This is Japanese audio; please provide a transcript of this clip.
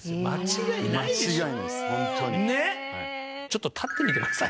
ちょっと立ってみてください。